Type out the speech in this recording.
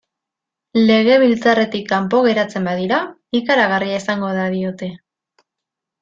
Legebiltzarretik kanpo geratzen badira, ikaragarria izango da, diote.